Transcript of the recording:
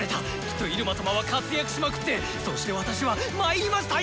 きっと入間様は活躍しまくってそして私は「まいりました！